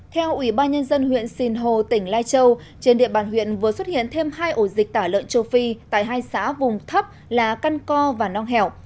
theo ủy ban nhân dân huyện sinh hồ tỉnh lai châu trên địa bàn huyện vừa xuất hiện thêm hai ổ dịch tả lợn châu phi tại hai xã vùng thấp là căn co và nong hẻo